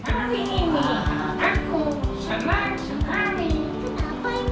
hari ini aku senang sehari apa emangnya